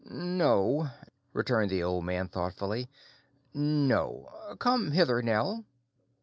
"No," returned the old man thoughtfully, "no.—Come hither, Nell."